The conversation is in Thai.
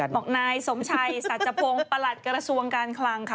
บอกนายสมชัยสัจพงศ์ประหลัดกระทรวงการคลังค่ะ